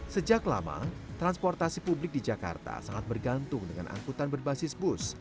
sejak lama transportasi publik di jakarta sangat bergantung dengan angkutan berbasis bus